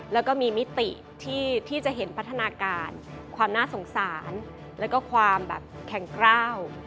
แล้วก็มีมิติที่จะเห็นพัฒนาการความน่าสงสารแล้วก็ความแบบแข็งกล้าว